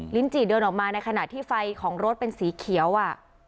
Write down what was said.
จีเดินออกมาในขณะที่ไฟของรถเป็นสีเขียวอ่ะ